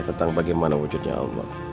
tentang bagaimana wujudnya allah